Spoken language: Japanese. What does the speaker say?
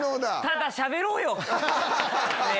ただしゃべろう！